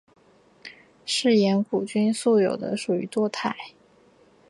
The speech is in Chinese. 嗜盐古菌素有的属于多肽。